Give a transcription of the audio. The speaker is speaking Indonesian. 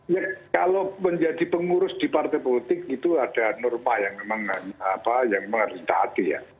ya kalau menjadi pengurus di partai politik itu ada norma yang memang harus ditaati ya